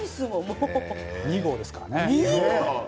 ライス２合ですからね。